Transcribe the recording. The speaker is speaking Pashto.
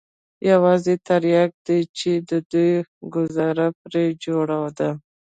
يوازې ترياک دي چې د دوى گوزاره پرې جوړه ده.